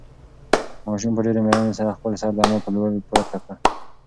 ماشوم په ډېرې مېړانې سره خپل سر د انا په لور پورته کړ.